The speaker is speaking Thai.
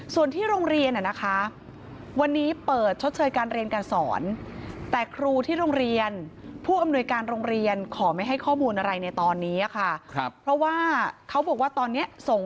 ส่วนที่โรงเรียนวันนี้เปิดชดเชิญการเรียนการสอน